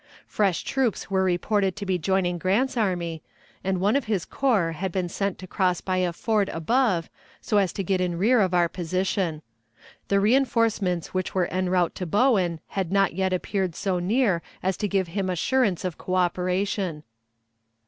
Fresh troops were reported to be joining Grant's army, and one of his corps had been sent to cross by a ford above so as to get in rear of our position. The reënforcements which were en route to Bowen had not yet approached so near as to give him assurance of coöperation.